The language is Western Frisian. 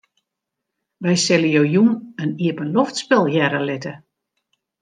Wy sille jo jûn in iepenloftspul hearre litte.